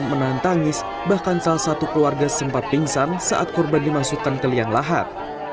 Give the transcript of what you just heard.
menahan tangis bahkan salah satu keluarga sempat pingsan saat korban dimasukkan ke liang lahat